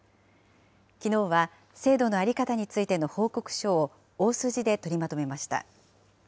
きのうは制度の在り方についての報告書を大筋で取りまとめました。